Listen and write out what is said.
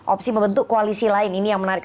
opsi membentuk koalisi lain ini yang menarik